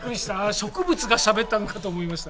植物がしゃべったのかと思いました。